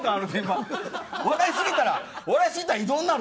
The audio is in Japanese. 笑いすぎて笑い過ぎたら異動になる。